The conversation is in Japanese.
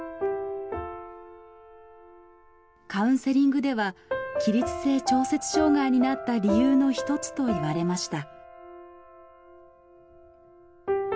カウンセリングでは起立性調節障害になった理由の一つと言われました。